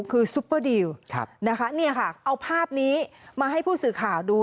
คือซุปเปอร์ดีลเอาภาพนี้มาให้ผู้สื่อข่าวดู